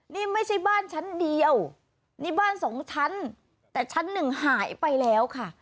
นี่ไม่ใช่บ้านชั้นเดียวนี่บ้านสองชั้นแต่ชั้นหนึ่งหายไปแล้วค่ะ